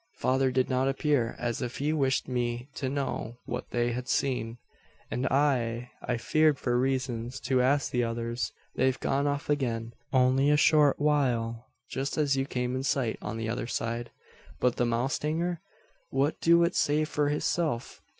Father did not appear as if he wished me to know what they had seen; and I I feared, for reasons, to ask the others. They've gone off again only a short while just as you came in sight on the other side." "But the mowstanger? What do it say for hisself?"